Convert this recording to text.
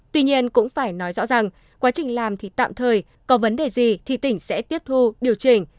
tuy nhiên cũng phải nói rõ rằng quá trình làm thì tạm thời có vấn đề gì thì tỉnh sẽ tiếp thu điều chỉnh